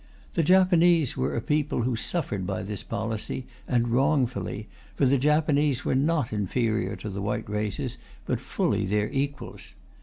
The Japanese were a people who suffered by this policy, and wrongfully, for the Japanese were not inferior to the white races, but fully their equals.